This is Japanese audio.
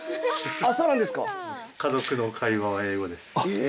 そうなんですか。